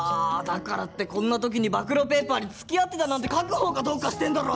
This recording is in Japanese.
だからってこんな時に暴露ペーパーに付き合ってたなんて書くほうがどうかしてんだろ！